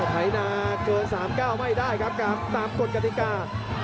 ไถหนาเกินสามก้าวไม่ได้ครับกรรมตามกฎกฎิกา